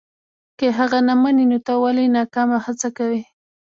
که یې هغه نه مني نو ته ولې ناکامه هڅه کوې.